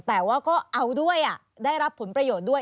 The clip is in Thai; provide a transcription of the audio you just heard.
แต่ว่าก็เอาด้วยได้รับผลประโยชน์ด้วย